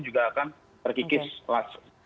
juga akan terkikis